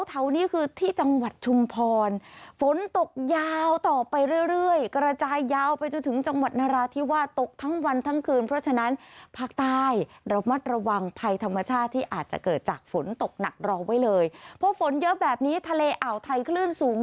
เถานี่คือที่จังหวัดชุมพร